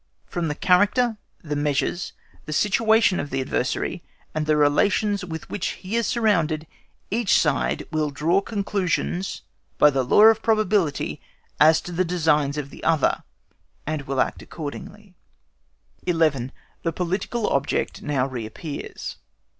From the character, the measures, the situation of the adversary, and the relations with which he is surrounded, each side will draw conclusions by the law of probability as to the designs of the other, and act accordingly. 11. THE POLITICAL OBJECT NOW REAPPEARS.